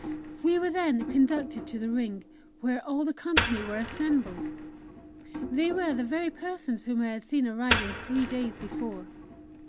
We were then conducted to the Ring, where all the company were assembled. They were the very persons whom I had seen arriving three days before.